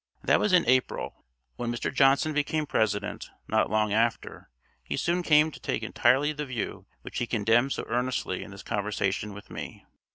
That was in April. When Mr. Johnson became President, not long after, he soon came to take entirely the view which he condemned so earnestly in this conversation with me.